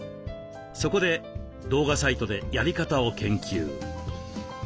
そこで動画サイトでやり方を研究。